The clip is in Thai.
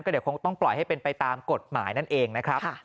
เดี๋ยวคงต้องปล่อยให้เป็นไปตามกฎหมายนั่นเองนะครับ